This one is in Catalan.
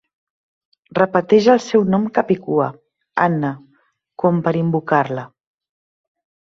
Repeteix el seu nom capicua, Anna, com per invocar-la.